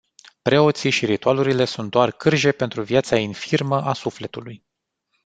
Preoții și ritualurile sunt doar cârje pentru viața infirmăa sufletului.